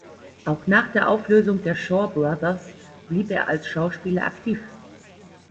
Auch nach der Auflösung der Shaw Brothers blieb er als Schauspieler aktiv.